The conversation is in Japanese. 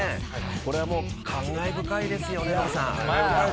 これはもう感慨深いですよねノブさん。